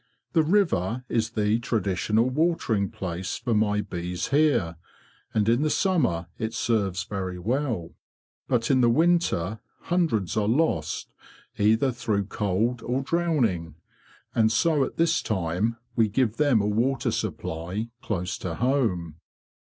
The river is the traditional watering place for my bees here, and in the summer it serves very well; but in the winter hundreds are lost either through cold or drowning. And so at this time we give them a water supply close at home."